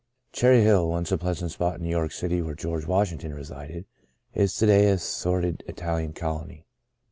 46. CHERRY HILL, once a pleasant spot in New York City where George Washington resided, is to day a sor did Italian colony.